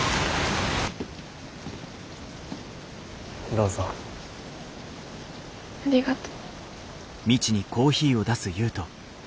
どうぞ。ありがと。